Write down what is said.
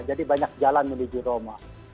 jadi banyak jalan menuju roma